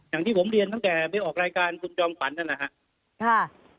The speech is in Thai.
อย่างที่ผมเรียนตั้งแต่ไปออกรายการคุณจอมขวัญนั่นแหละครับ